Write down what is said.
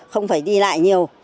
không phải đi lại nhiều